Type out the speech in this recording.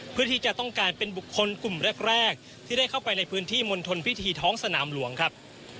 เพื่อที่จะต้องการเป็นบุคคลกลุ่มแรกที่ได้เข้าไปในพื้นที่มณฑลพิธีท้องสนามหลวงครับ